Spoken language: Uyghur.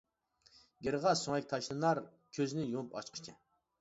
گىرغا سۆڭەك تاشلىنار، كۆزنى يۇمۇپ ئاچقىچە.